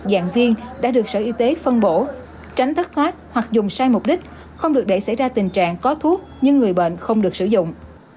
giảng viên đã được sở y tế phân bổ tránh thất thoát hoặc dùng sai mục đích không được để xảy ra tình trạng có thuốc nhưng người bệnh không được sử dụng